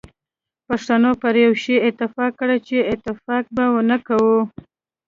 پښتنو پر یو شی اتفاق کړی چي اتفاق به نه کوو.